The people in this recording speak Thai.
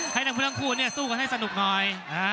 ให้ทั้งเพื่อนทั้งคู่เนี่ยสู้กันให้สนุกหน่อย